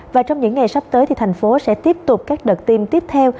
và trong những ngày sắp tới thì thành phố sẽ tiếp tục các đợt tiêm tiếp theo